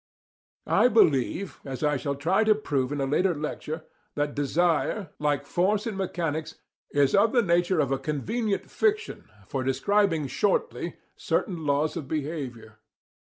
I believe as I shall try to prove in a later lecture that desire, like force in mechanics, is of the nature of a convenient fiction for describing shortly certain laws of behaviour.